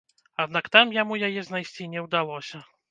Аднак там яму яе знайсці не ўдалося.